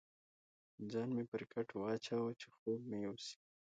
ځان مې پر کټ واچاوه، چې خوب مې یوسي.